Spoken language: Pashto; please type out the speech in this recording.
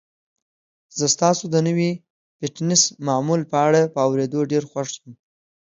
زه ستاسو د نوي فټنس معمول په اړه په اوریدو ډیر خوښ یم.